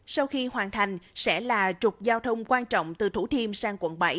sau khi hoàn thành sẽ là trục giao thông quan trọng từ thủ thiêm sang quận bảy